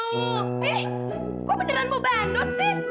eh kau beneran mau bandot pit